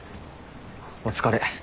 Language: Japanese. お疲れ。